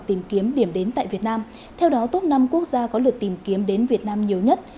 tìm kiếm điểm đến tại việt nam theo đó top năm quốc gia có lượt tìm kiếm đến việt nam nhiều nhất